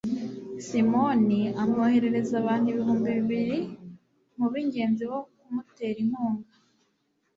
simoni amwoherereza abantu ibihumbi bibiri mu b'ingenzi bo kumutera inkunga